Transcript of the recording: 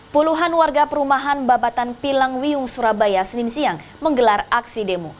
puluhan warga perumahan babatan pilang wiung surabaya senin siang menggelar aksi demo